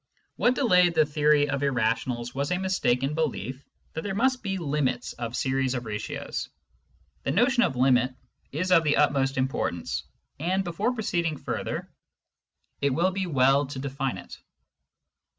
What delayed the true theory of irrationals was a mistaken belief that there must be " limits " of series of ratios. The notion of " limit " is of the utmost importance, and before proceeding further it will be well to define it.